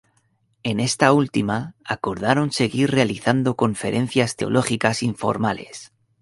En esta última, acordaron seguir realizando conferencias teológicas informales.